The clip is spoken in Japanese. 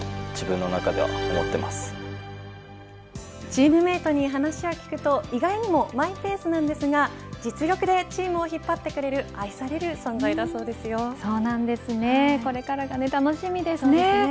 チームメートに話を聞くと意外にもマイペースなんですが実力でチームを引っ張ってくれるこれからが楽しみですね。